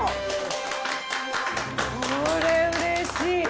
これうれしい！